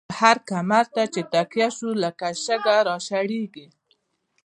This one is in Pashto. هر کمر ته چی تکيه شو، لکه شګه را شړيږی